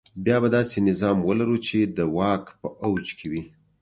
بیا به داسې نظام ولرو چې د واک په اوج کې وي.